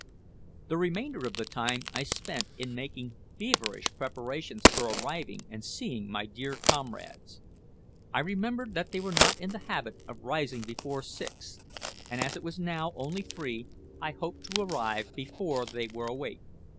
The remainder of the time I spent in making feverish preparations for arriving and seeing my dear comrades. I remembered that they were not in the habit of rising before six, and as it was now only three, I hoped to arrive before they were awake.